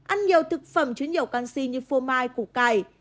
ăn nhiều thực phẩm chứa nhiều canxi như phô mai củ cải